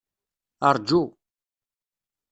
Rju.